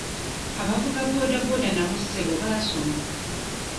Abavuga boodabooda nabo ssebo baasoma.